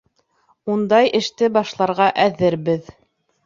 — Ундай эште башларға әҙербеҙ.